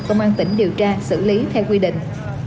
công an tỉnh điều tra xử lý theo quy định